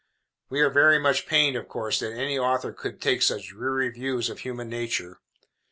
We are very much pained, of course, that any author should take such dreary views of human nature.